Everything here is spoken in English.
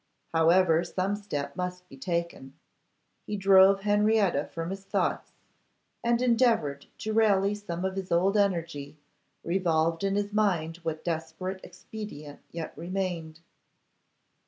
However, some step must be taken. He drove Henrietta from his thoughts, and, endeavouring to rally some of his old energy, revolved in his mind what desperate expedient yet remained.